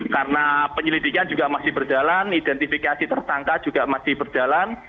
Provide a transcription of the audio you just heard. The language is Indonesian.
karena penyelidikan juga masih berjalan identifikasi tersangka juga masih berjalan